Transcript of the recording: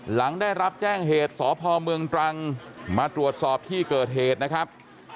หลังได้รับแจ้งเหตุสพเมืองตรังมาตรวจสอบที่เกิดเหตุนะครับ